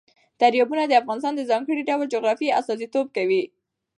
دریابونه د افغانستان د ځانګړي ډول جغرافیه استازیتوب کوي.